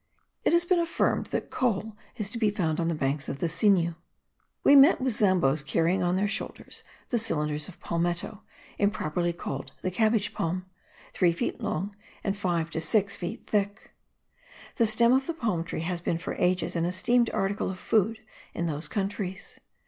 It has been affirmed that coal is to be found on the banks of the Sinu. We met with Zambos carrying on their shoulders the cylinders of palmetto, improperly called the cabbage palm, three feet long and five to six feet thick. The stem of the palm tree has been for ages an esteemed article of food in those countries.